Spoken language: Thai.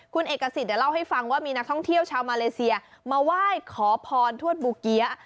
คุณเอกสิทธิ์เล่าให้ฟังว่ามีนักท่องเที่ยวชาวมาเลเซียมาไหว้ขอพรทวดบูเกี๊ยะ